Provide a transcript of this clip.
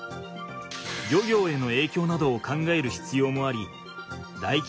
漁業への影響などを考えるひつようもありだいき